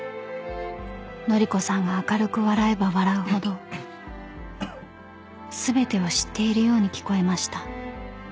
［乃里子さんが明るく笑えば笑うほど全てを知っているように聞こえました］